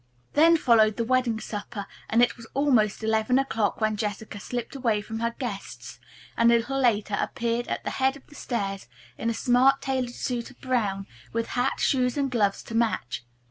Then followed the wedding supper, and it was almost eleven o'clock when Jessica slipped away from her guests, and a little later, appeared at the head of the stairs in a smart tailored suit of brown, with hat, shoes and gloves to match.